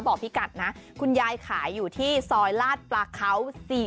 พี่กัดนะคุณยายขายอยู่ที่ซอยลาดปลาเขา๔๔